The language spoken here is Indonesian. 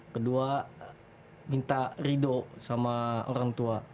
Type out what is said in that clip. kedua minta ridho sama orang tua